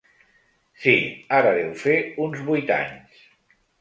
Sí, ara deu fer uns vuit anys.